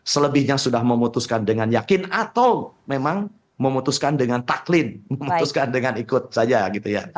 selebihnya sudah memutuskan dengan yakin atau memang memutuskan dengan taklin memutuskan dengan ikut saja gitu ya